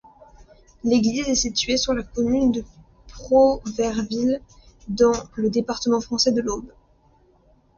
L'église est située sur la commune de Proverville, dans le département français de l'Aube.